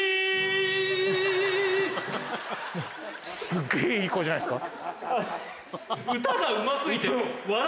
すげぇいい声じゃないですか。